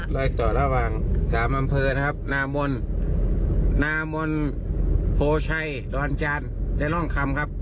รอยเตาะระหว่าง๓บำเภอนะครับนามนโพชัยดวนจานได้ร่องคำครับ